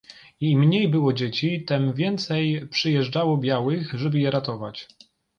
"I im mniej było dzieci, tem więcej przyjeżdżało białych, żeby je ratować."